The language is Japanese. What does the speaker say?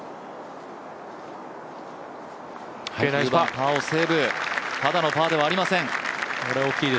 パーをセーブ、ただのパーではありません。